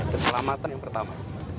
keselamatan yang pertama